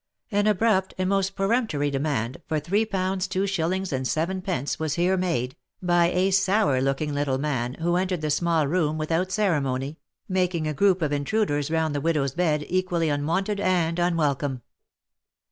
An abrupt, and most peremptory demand, for three pounds two shillings and seven pence, was here made, by a sour looking little man, who entered the small room without ceremony, making a group of intruders round the widows bed, equally unwonted and unwelcome.